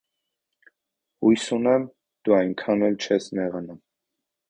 Հույս ունեմ՝ դու այնքան էլ չես նեղանա։